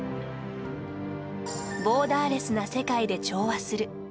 ボーダーレスな世界で調和する。